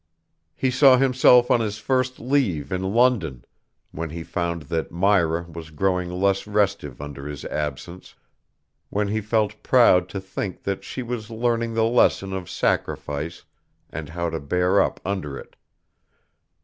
He saw himself on his first leave in London, when he found that Myra was growing less restive under his absence, when he felt proud to think that she was learning the lesson of sacrifice and how to bear up under it.